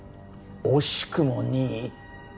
惜しくも２位？